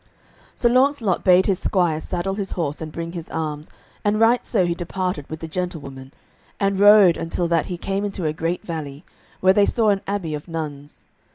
Sir Launcelot bade his squire saddle his horse and bring his arms, and right so he departed with the gentlewoman, and rode until that he came into a great valley, where they saw an abbey of nuns.